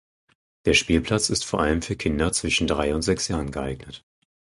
Der Spielplatz ist vor allem für Kinder zwischen drei und sechs Jahren geeignet.